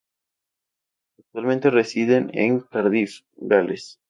Actualmente residen en Cardiff, Gales.